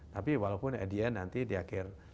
tapi walaupun at the end nanti di akhir